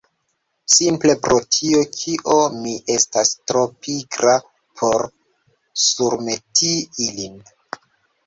Simple pro tio kio mi estas tro pigra por surmeti ilin